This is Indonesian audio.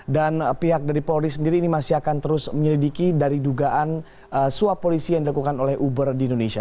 dan pihak dari polisi sendiri ini masih akan terus menyelidiki dari dugaan suap polisi yang dilakukan oleh uber di indonesia